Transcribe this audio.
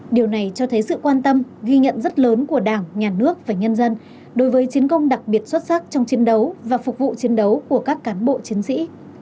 điều này cho thấy sự quan tâm ghi nhận rất lớn của đảng nhà nước và nhân dân đối với chiến công đặc biệt xuất sắc trong chiến đấu và phục vụ chiến đấu của các cán bộ chiến sĩ